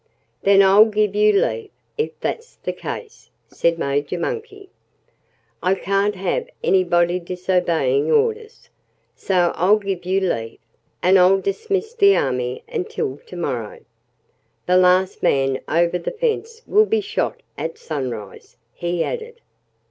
"Then I'll give you leave if that's the case," said Major Monkey. "I can't have anybody disobeying orders; so I'll give you leave. And I'll dismiss the army until to morrow.... The last man over the fence will be shot at sunrise," he added.